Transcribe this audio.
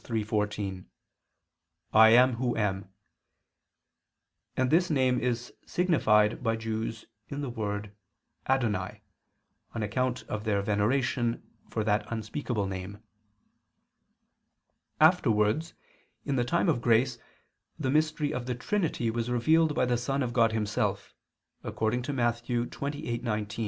3:14): "I am Who am"; and this name is signified by Jews in the word "Adonai" on account of their veneration for that unspeakable name. Afterwards in the time of grace the mystery of the Trinity was revealed by the Son of God Himself, according to Matt. 28:19: "Going ..